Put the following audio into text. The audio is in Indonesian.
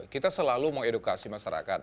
kita selalu mengedukasi masyarakat